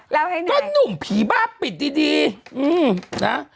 เล่าให้เหนื่อยก็หนุ่มผีบ้าปิดดีนะ